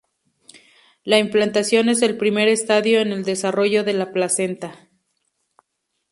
La implantación es el primer estadio en el desarrollo de la placenta.